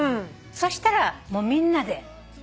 そしたらみんなで。